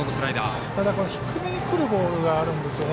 低めにくるボールがあるんですよね。